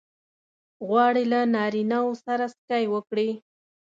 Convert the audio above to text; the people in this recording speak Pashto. غواړې له نارینه وو سره سکی وکړې؟